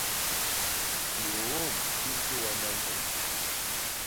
Biôôm bi njôa manjel.